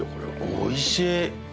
おいしい。